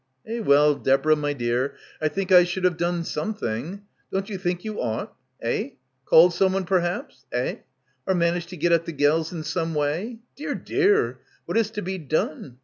"Eh, well, Deborah my dear, I think I should have done something. Don't you think you ought? Eh? Called someone perhaps — eh? — or managed to get at the gels in some way— dear, dear, what is to be done?